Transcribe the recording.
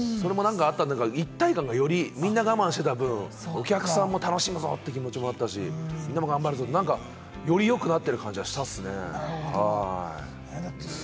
一体感がよりみんな我慢していた分、お客さんも楽しむぞ！という気持ちもあったし、よりよくなっている感じがしたっすね。